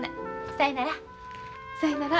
さいなら。